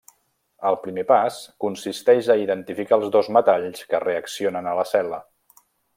El primer pas consisteix a identificar els dos metalls que reaccionen a la cel·la.